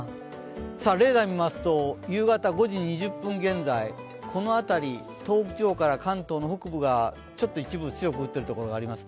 レーダー見ますと、夕方５時２０分現在、この辺り、東北地方から関東の北部が一部強く降っているところがあります。